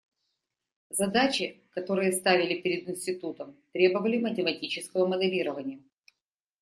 Задачи, которые ставили перед институтом, требовали математического моделирования.